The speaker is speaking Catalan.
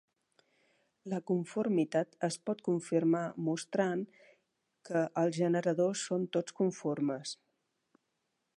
La conformitat es pot confirmar mostrant que els generadors són tots conformes.